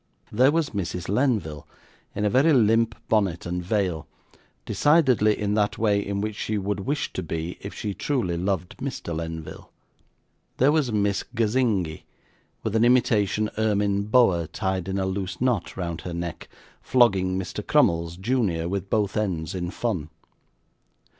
There was Mrs. Lenville, in a very limp bonnet and veil, decidedly in that way in which she would wish to be if she truly loved Mr. Lenville; there was Miss Gazingi, with an imitation ermine boa tied in a loose knot round her neck, flogging Mr. Crummles, junior, with both ends, in fun.